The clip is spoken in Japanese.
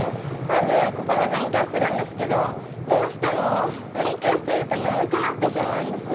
まずここで勉強するんですけどどうしても勉強してると眠くなってしまうんですよ。